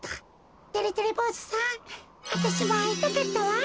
てれてれぼうずさんわたしもあいたかったわ。